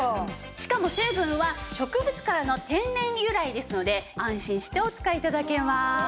しかも成分は植物からの天然由来ですので安心してお使い頂けます。